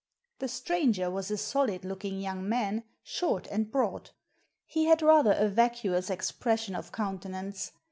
The stranger was a solid looking young man, short and broad. He had rather a vacuous expression of countenance.